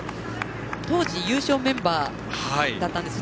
当時、優勝メンバーだったんです。